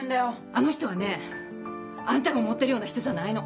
あの人はねあんたが思ってるような人じゃないの。